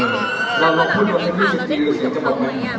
แล้วหลังจากนี้ค่ะเราได้พูดถึงคำว่าไง